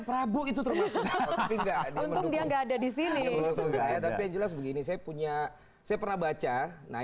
prabowo itu terus tapi nggak dia nggak ada di sini tapi jelas begini saya punya saya pernah baca nah